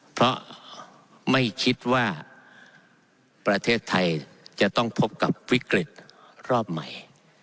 เพราะไม่คิดว่าประเทศไทยจะต้องพบกับวิกฤตรอบใหม่